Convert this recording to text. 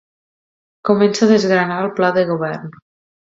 Comença a desgranar el pla de govern.